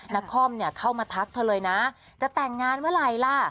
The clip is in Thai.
นครเข้ามาทักเธอเลยนะจะแต่งงานเมื่อไหร่ล่ะ